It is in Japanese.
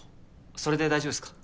それで大丈夫ですか？